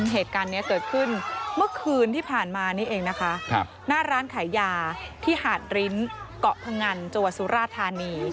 เหตุการณ์นี้เกิดขึ้นเมื่อคืนที่ผ่านมานี่เองนะคะหน้าร้านขายยาที่หาดริ้นเกาะพงันจังหวัดสุราธานี